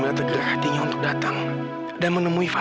biar aku panggil pelayanan ya